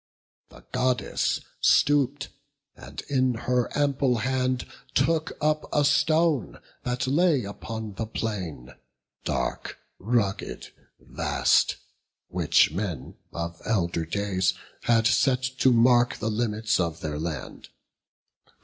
The Goddess stoop'd, and in her ample hand Took up a stone, that lay upon the plain, Dark, rugged, vast, which men of elder days Had set to mark the limits of their land.